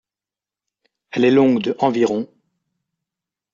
Elle est longue de environ.